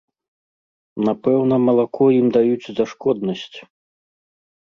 Напэўна, малако ім даюць за шкоднасць.